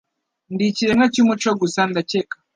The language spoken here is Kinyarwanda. Ndi ikiremwa cyumuco gusa, ndakeka.